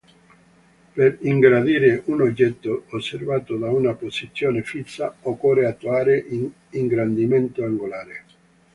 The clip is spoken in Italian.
Per ingrandire un oggetto osservato da una posizione fissa, occorre attuare un ingrandimento angolare.